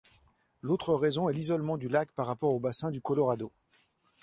L'autre raison est l'isolement du lac par rapport au bassin du Colorado.